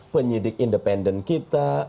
penyidik independen kita